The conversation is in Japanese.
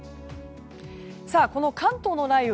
この関東の雷雨